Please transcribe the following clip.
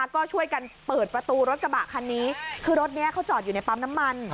ก็ช่วยกันเปิดประตูรถกระบะคันนี้คือรถนี้เขาจอดอยู่ในปั๊มน้ำมัน